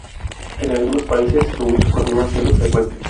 En algunos países su uso continúa siendo frecuente.